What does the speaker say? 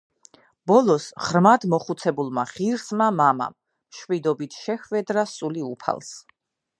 ბოლოს ღრმად მოხუცებულმა ღირსმა მამამ მშვიდობით შეჰვედრა სული უფალს.